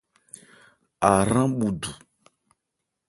Ahrán bhu du.